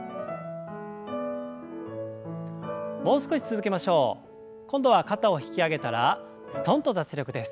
もう少し続けましょう。今度は肩を引き上げたらすとんと脱力です。